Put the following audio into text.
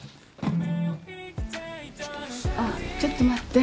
あっちょっと待って。